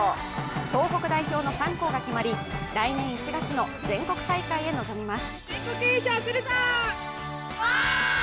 東北代表の３校が決まり、来年１月の全国大会へ臨みます。